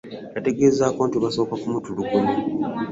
Yantegeezaako nti baasooka kumutulugunya.